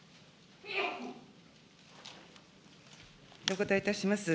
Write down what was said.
お答えいたします。